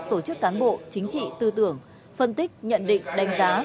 tổ chức cán bộ chính trị tư tưởng phân tích nhận định đánh giá